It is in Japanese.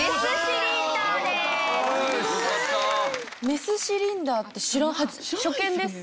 メスシリンダーって初見です。